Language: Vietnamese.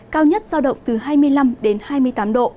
cao nhất giao động từ hai mươi năm đến hai mươi tám độ